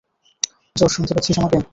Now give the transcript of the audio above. Josh, শুনতে পাচ্ছিস আমাকে?